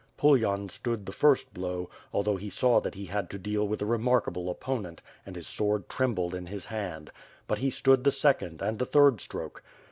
Pulyan stood ll:he first blow, although he saw that he had to deal with a re markable opponent and his sword trembled in his hand; but he stood the second, and the third stroke.